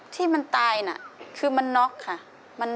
ที่มันตายน่ะคือมันน็อกค่ะ